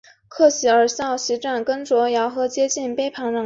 香港中学学位分配办法是分配香港中学学位的一个程序。